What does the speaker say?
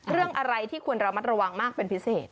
เรื่องอะไรที่ควรระมัดระวังมากเป็นพิเศษ